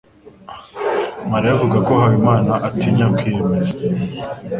Mariya avuga ko Habimana atinya kwiyemeza.